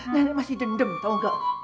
nenek masih dendam tau gak